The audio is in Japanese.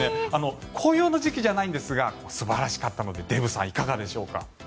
紅葉の時期じゃないんですが素晴らしかったのでデーブさん、いかがでしょうか？